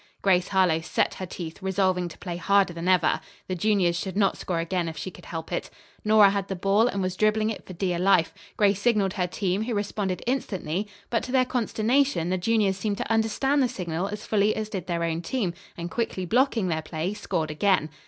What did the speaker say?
Grace Harlowe set her teeth, resolving to play harder than ever. The juniors should not score again if she could help it. Nora had the ball and was dribbling it for dear life. Grace signaled her team, who responded instantly; but, to their consternation, the juniors seemed to understand the signal as fully as did their own team, and quickly blocking their play, scored again.